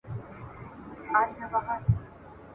غاړه بنده وزرونه زولانه سوه !.